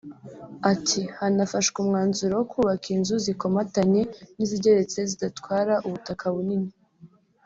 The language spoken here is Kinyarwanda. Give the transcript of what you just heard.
Ati “Hanafashwe umwanzuro wo kubaka inzu zikomatanye n’izigeretse zidatwara ubutaka bunini